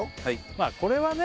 まあこれはね